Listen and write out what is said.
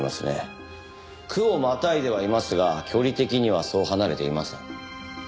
区をまたいではいますが距離的にはそう離れていません。